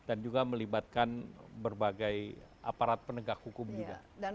dan juga melibatkan berbagai aparat penegak hukum juga